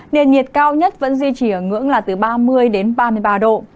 nền nhiệt cao nhất vẫn duy trì ở ngưỡng là từ ba mươi đến ba mươi ba độ